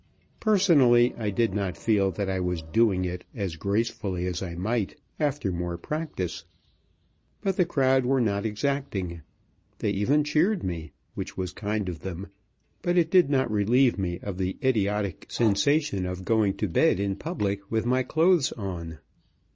Personally, I did not feel that I was doing it as gracefully as I might after more practice; but the crowd were not exacting. They even cheered me, which was kind of them; but it did not relieve me of the idiotic sensation of going to bed in public with my clothes on.